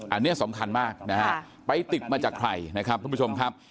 อันนี้สำคัญมากนะฮะไปติดมาจากใครนะครับทุกผู้ชมครับ